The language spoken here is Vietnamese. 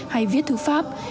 hay viết thư pháp